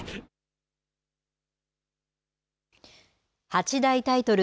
八大タイトル